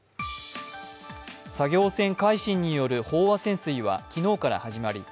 作業船「海進」による飽和潜水は昨日から始まり